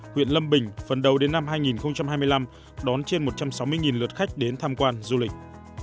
huyện lâm bình phần đầu đến năm hai nghìn hai mươi năm đón trên một trăm sáu mươi lượt khách đến tham quan du lịch